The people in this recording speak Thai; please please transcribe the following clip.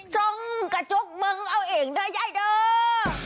ช้องกระจกเบิ้งเอาเองด้วยย่ายเดิม